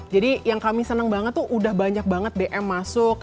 jadi yang kami senang banget tuh udah banyak banget dm masuk